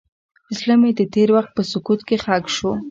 زړه مې د تېر وخت په سکوت کې ښخ شو.